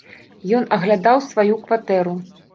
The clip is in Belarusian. Ён аглядаў сваю кватэру.